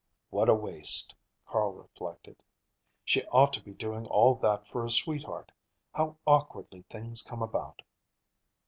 "What a waste," Carl reflected. "She ought to be doing all that for a sweetheart. How awkwardly things come about!"